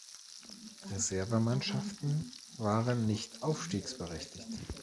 Reservemannschaften waren nicht aufstiegsberechtigt.